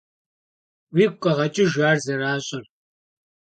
Уигу къэгъэкӀыж ар зэращӀыр.